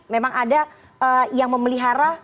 memang ada yang memelihara